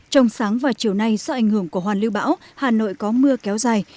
trong sáng và chiều nay do ảnh hưởng của hoàn lưu bão hà nội có mưa kéo dài